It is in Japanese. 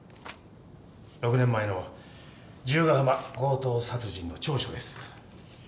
６年前の十ヶ浜強盗殺人の調書です。